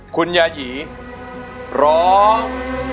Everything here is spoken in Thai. คุณยายีร้อง